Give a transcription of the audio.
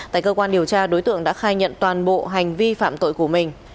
tại cơ quan điều tra đối tượng đã khai nhận toàn bộ hành vi phạm tội của mình